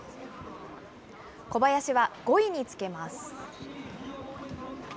小林は５位につけます。